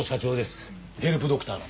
「ヘルプドクター」の。